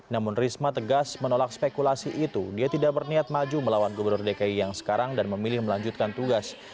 namun risma tegas menolak spekulasi itu dia tidak berniat maju melawan gubernur dki yang sekarang dan memilih melanjutkan tugas